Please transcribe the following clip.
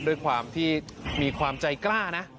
ด้วยความที่มีความใจกล้านะ